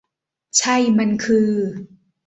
ใช่ มันคือ ?